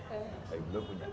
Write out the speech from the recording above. tapi belum punya